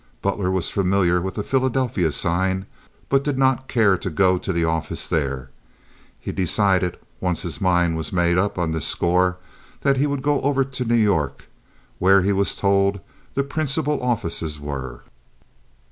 Butler was familiar with the Philadelphia sign, but did not care to go to the office there. He decided, once his mind was made up on this score, that he would go over to New York, where he was told the principal offices were.